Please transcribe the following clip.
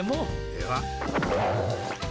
では！